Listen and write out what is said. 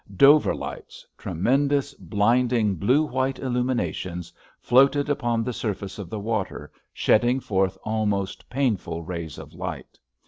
Dover lights—tremendous, blinding blue white illuminations—floated upon the surface of the water shedding forth almost painful rays of light.